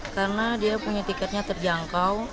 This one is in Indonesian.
karena dia punya tiketnya terjangkau